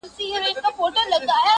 o د پیښي جديت د طنز تر شا کمزوری کيږي,